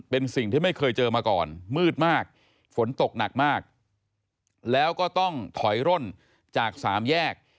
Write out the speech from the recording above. เป็นสิ่งที่ไม่เคยเจอมาก่อนมืดมากฝนตกหนักมากแล้วก็ต้องถอยร่นจากสามแยก